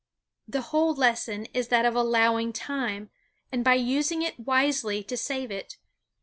The whole lesson is that of allowing time, and by using it wisely to save it.